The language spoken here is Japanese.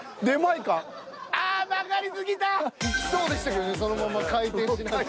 いきそうでしたけどねそのまま回転しながら。